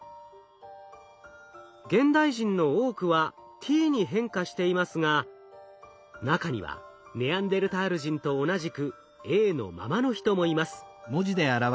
現代人の多くは「Ｔ」に変化していますが中にはネアンデルタール人と同じく「Ａ」のままの人もいます。